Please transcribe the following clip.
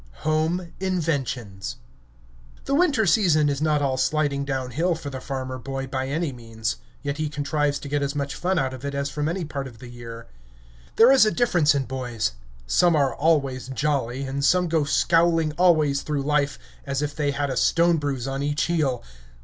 HOME INVENTIONS The winter season is not all sliding downhill for the farmer boy, by any means; yet he contrives to get as much fun out of it as from any part of the year. There is a difference in boys: some are always jolly, and some go scowling always through life as if they had a stone bruise on each heel.